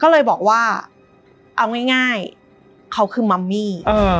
ก็เลยบอกว่าเอาง่ายเขาคือมัมมี่